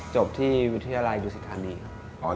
จบที่วิทยาลัยดูสิทธานีครับ